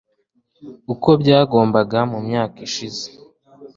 uko byagombaga mu myaka ishize